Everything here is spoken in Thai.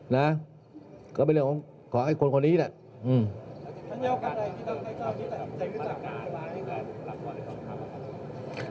นะก็เป็นเรื่องของของไอ้คนคนนี้แหละ